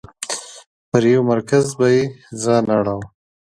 پر یو مرکز به یې ځان اړوه.